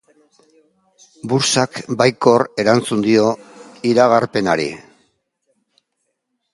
Burtsak baikor erantzun dio iragarpenari.